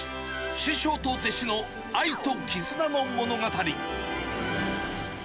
師匠と弟子の愛と絆の物語。